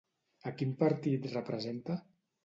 A quin partit representa?